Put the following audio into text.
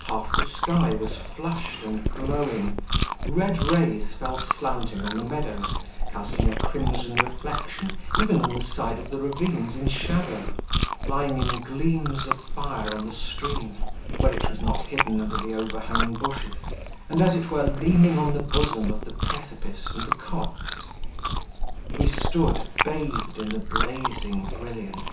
Half the sky was flushed and glowing; red rays fell slanting on the meadows, casting a crimson reflection even on the side of the ravines in shadow, lying in gleams of fire on the stream, where it was not hidden under the overhanging bushes, and, as it were, leaning on the bosom of the precipice and the copse. We stood, bathed in the blazing brilliance.